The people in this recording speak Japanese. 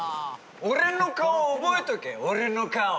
俺の顔覚えとけ俺の顔。